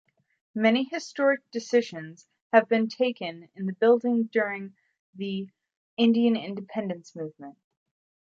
Many historic decisions have been taken in the building during the Indian independence movement.